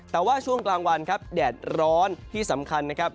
แต่ว่าช่วงกลางวันครับแดดร้อนที่สำคัญนะครับ